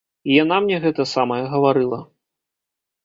І яна мне гэта самае гаварыла.